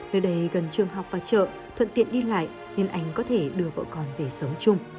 nơi đây gần trường học và chợ thuận tiện đi lại nên anh có thể đưa vợ con về sống chung